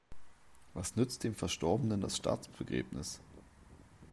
Was nützt dem Verstorbenen das Staatsbegräbnis?